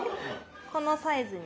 このサイズに。